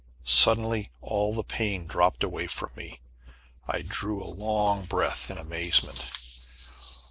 Suddenly all the pain dropped away from me. I drew a long breath in amazement.